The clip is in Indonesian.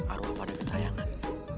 arwah pada kecayangan